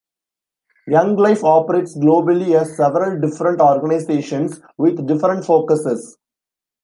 Young Life operates globally as several different organizations with different focuses.